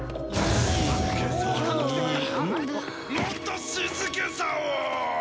もっと静けさを！